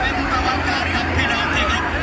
เป็นประวัติการครับพี่น้อง